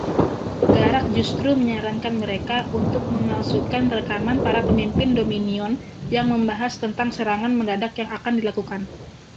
Garak justru menyarankan mereka untuk memalsukan rekaman para pemimpin Dominion yang membahas tentang serangan mendadak yang akan dilakukan.